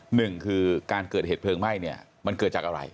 หนึ่งคือการเกิดเหตุเพลิงไหม้เนี่ยมันเกิดจากอะไร